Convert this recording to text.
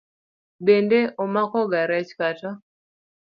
Bende omakoga rech kata?